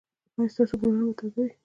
ایا ستاسو ګلونه به تازه وي؟